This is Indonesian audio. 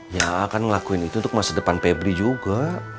ya kan ngelakuin itu tuh kemas depan pebri juga